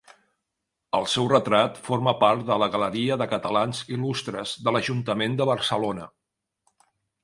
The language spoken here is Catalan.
El seu retrat forma part de la Galeria de Catalans Il·lustres de l'Ajuntament de Barcelona.